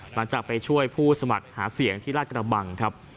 หลังจากไปช่วยผู้สมัครหาเสียงที่ราชกระบังครับ